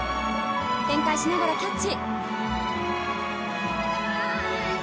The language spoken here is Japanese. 転回しながらキャッチ。